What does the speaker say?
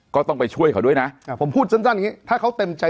ก็ต้องไปช่วยเค้าด้วยน่ะอ่าผมพูดจั้นจั้นอย่างงี้ถ้าเขาเต็มใจ